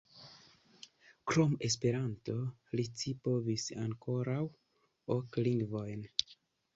Krom Esperanto li scipovis ankoraŭ ok lingvojn.